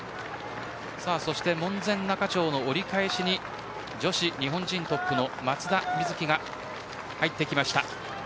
門前仲町の折り返しに女子日本人トップの松田瑞生が入ってきました。